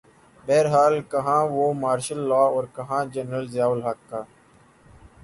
بہرحال کہاںوہ martial law اورکہاں جنرل ضیاء الحق کا۔